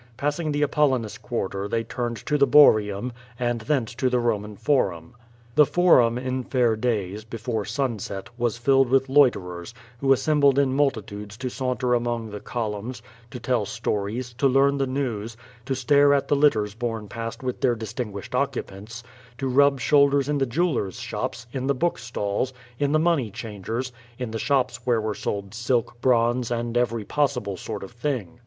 Passing the Apollinis Quarter they turned to the Boarium, and thence to the Roman Forum. The Forum in fair days, before sunset, was filled with loi terers, who assembled in multitudes to saunter among the columns^ to tell stories, to learn the news, to stare at thti litters borne past with their distinguished occupants^ to rub shoulders in the jewellers' shops, in the book stalls, in the money changers', in the shops where were sold silk, bronze, and every possible sort of thing.